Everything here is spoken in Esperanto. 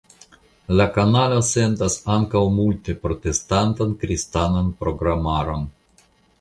La kanalo sendas ankaŭ multe protestantan kristanan programaron.